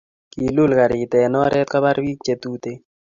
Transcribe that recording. Kiul karit en oret kopar pik che Tuten